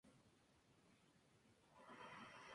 Las actividades se limitan durante al menos uno o dos meses.